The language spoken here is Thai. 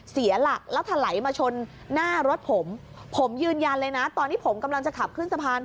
เสียหลักแล้วถลายมาชนหน้ารถผมผมยืนยันเลยนะตอนที่ผมกำลังจะขับขึ้นสะพาน